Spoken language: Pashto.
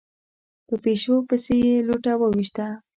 په پيشو پسې يې لوټه وويشته.